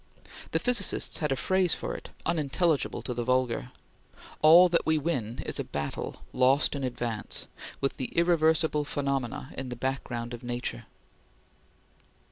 The physicists had a phrase for it, unintelligible to the vulgar: "All that we win is a battle lost in advance with the irreversible phenomena in the background of nature."